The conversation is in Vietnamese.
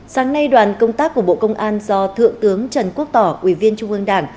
sáng nay đoàn công tác của bộ công an do thượng tướng trần quốc tỏ ủy viên trung ương đảng